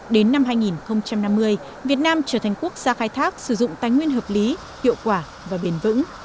đến năm hai nghìn năm mươi việt nam trở thành quốc gia khai thác sử dụng tài nguyên hợp lý hiệu quả và bền vững